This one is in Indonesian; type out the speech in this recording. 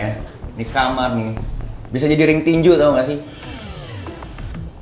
ini kamar nih bisa jadi ring tinju atau nggak sih